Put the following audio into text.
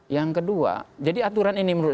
yang kedua jadi aturan ini menurut